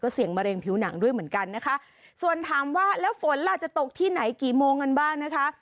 เสียงมะเร็งผิวหนังด้วยเหมือนกันนะคะส่วนถามว่าแล้วฝนล่ะจะตกที่ไหนกี่โมงกันบ้างนะคะ